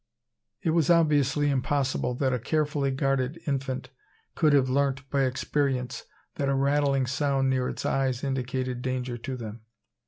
It was obviously impossible that a carefully guarded infant could have learnt by experience that a rattling sound near its eyes indicated danger to them.